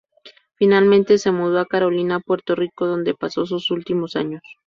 Finalmente se mudó a Carolina, Puerto Rico, donde pasó sus últimos años.